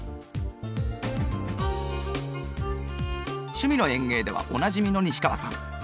「趣味の園芸」ではおなじみの西川さん。